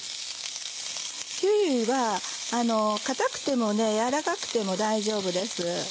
キーウィは硬くても柔らかくても大丈夫です。